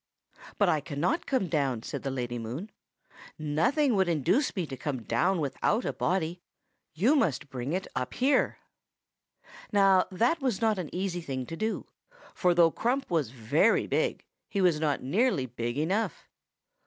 "'But I cannot come down,' said the Lady Moon. 'Nothing would induce me to come down without a body. You must bring it up here.' "Now that was not an easy thing to do; for though Crump was very big, he was not nearly big enough.